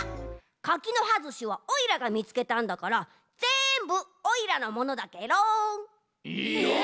柿の葉ずしはオイラがみつけたんだからぜんぶオイラのものだケロ。え！？